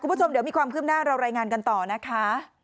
คุณผู้ชมเดี๋ยวมีความคืบหน้าเรารายงานกันต่อนะคะ